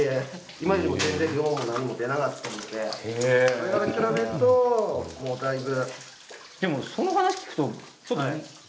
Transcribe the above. それから比べるとだいぶ。